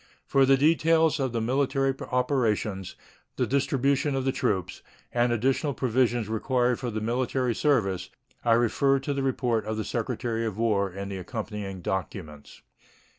For the details of the military operations, the distribution of the troops, and additional provisions required for the military service, I refer to the report of the Secretary of War and the accompanying documents.